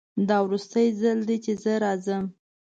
دا وروستی ځل ده چې زه راځم